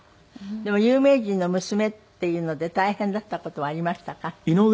でも有名人の娘っていうので大変だった事はありましたか？